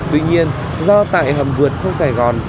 tuy nhiên do tại hầm vượt sông sài gòn